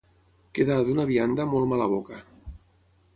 Quedar, d'una vianda, molt mala boca.